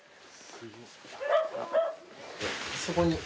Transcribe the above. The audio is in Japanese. そこに。